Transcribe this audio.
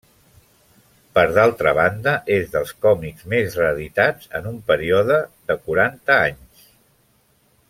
Per d'altra banda, és dels còmics, més reeditats, en un període de quaranta anys.